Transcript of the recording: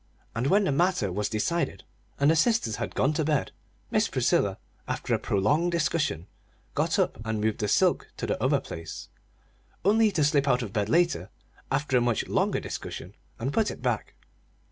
And when the matter was decided, and the sisters had gone to bed, Miss Priscilla, after a prolonged discussion, got up and moved the silk to the other place, only to slip out of bed later, after a much longer discussion, and put it back.